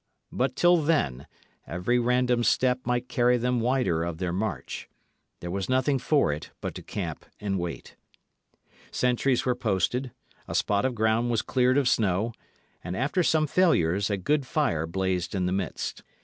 But till then, every random step might carry them wider of their march. There was nothing for it but to camp and wait. Sentries were posted; a spot of ground was cleared of snow, and, after some failures, a good fire blazed in the midst.